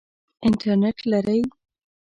انټرنټ لرئ؟